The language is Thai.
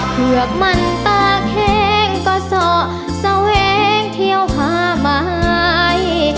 เผื่อมันตากแห้งก็เศร้าแห้งเที่ยวผ้าไม้